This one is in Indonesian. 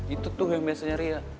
itu tuh yang biasanya ria